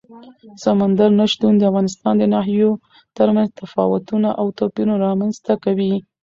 سمندر نه شتون د افغانستان د ناحیو ترمنځ تفاوتونه او توپیرونه رامنځ ته کوي.